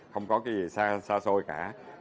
không có gì xa xôi cả